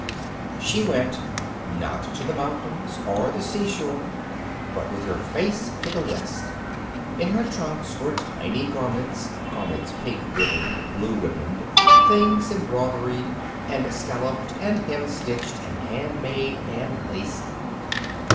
She went, not to the mountains or the seashore but with her face to the west. In her trunks were tiny garments garments pink ribboned, blue ribboned, things embroidered and scalloped and hemstitched and hand made and lacy.